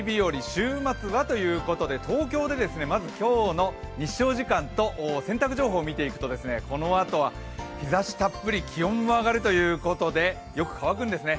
週末は？ということで東京でまず今日の日照時間と洗濯情報を見ていくとこのあとは日ざしたっぷり気温も上がるということでよく乾くんですね